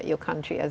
sebagai negara anda